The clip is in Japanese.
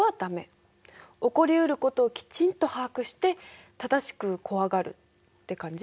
起こりうることをきちんと把握して正しく怖がるって感じ？